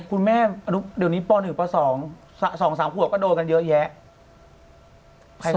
คุณแม่เดี๋ยวนี้ป๑ป๒๓ขวบก็โดนกันเยอะแยะ